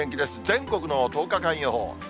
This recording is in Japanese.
全国の１０日間予報。